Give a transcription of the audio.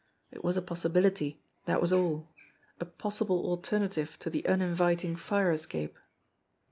It was a possibility, that was all a possible alternative to the uninviting fire escape.